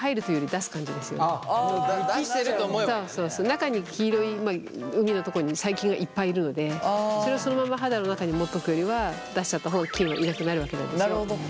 中に黄色い膿のとこに細菌がいっぱいいるのでそれをそのまま肌の中に持っとくよりは出しちゃった方が菌はいなくなるわけなんですよ。